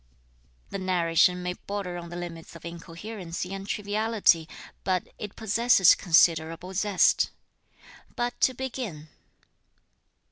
The narration may border on the limits of incoherency and triviality, but it possesses considerable zest. But to begin.